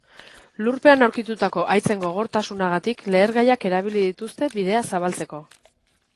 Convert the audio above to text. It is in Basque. Lurpean aurkitutako haitzen gogortasunagatik, lehergaiak erabili dituzte, bidea zabaltzeko.